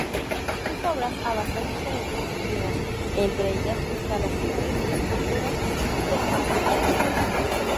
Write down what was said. Sus obras abarcan diferentes disciplinas, entre ellas instalaciones, esculturas y performance.